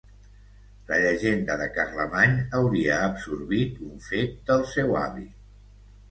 La llegenda de Carlemany hauria absorbit un fet del seu avi.